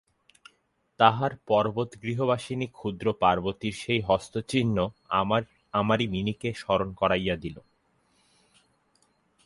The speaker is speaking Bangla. তাহার পর্বতগৃহবাসিনী ক্ষুদ্র পার্বতীর সেই হস্তচিহ্ন আমারই মিনিকে স্মরণ করাইয়া দিল।